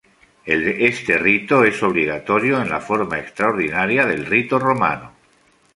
Este rito es obligatorio en la forma extraordinaria del rito romano.